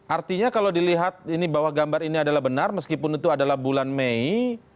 artinya kalau dilihat ini bahwa gambar ini adalah benar meskipun itu adalah bulan mei